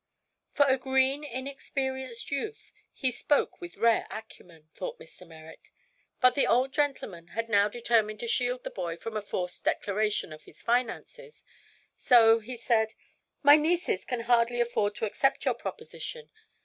For a green, inexperienced youth, he spoke with rare acumen, thought Mr. Merrick; but the old gentleman had now determined to shield the boy from a forced declaration of his finances, so he said: "My nieces can hardly afford to accept your proposition.